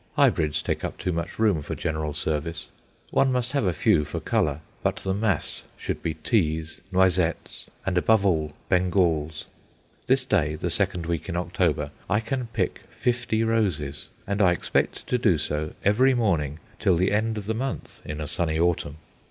Hybrids take up too much room for general service. One must have a few for colour; but the mass should be Teas, Noisettes, and, above all, Bengals. This day, the second week in October, I can pick fifty roses; and I expect to do so every morning till the end of the month in a sunny autumn.